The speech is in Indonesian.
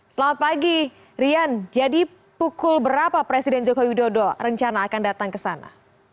selamat pagi rian jadi pukul berapa presiden joko widodo rencana akan datang ke sana